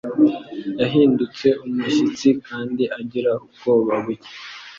yahindutse umushyitsi kandi agira ubwoba buke.